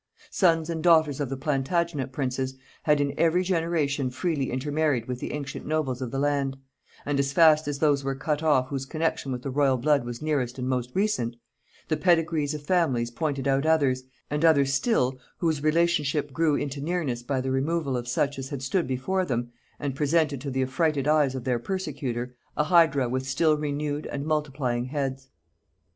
Sons and daughters of the Plantagenet princes had in every generation freely intermarried with the ancient nobles of the land; and as fast as those were cut off whose connection with the royal blood was nearest and most recent, the pedigrees of families pointed out others, and others still, whose relationship grew into nearness by the removal of such as had stood before them, and presented to the affrighted eyes of their persecutor, a hydra with still renewed and multiplying heads.